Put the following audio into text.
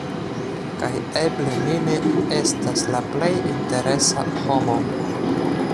Kaj eble mi ne estas la plej interesa homo.